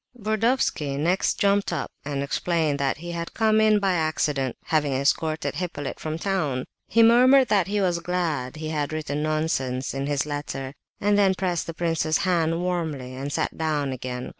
Burdovsky next jumped up and explained that he had come in by accident, having escorted Hippolyte from town. He murmured that he was glad he had "written nonsense" in his letter, and then pressed the prince's hand warmly and sat down again.